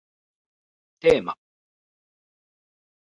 テーマ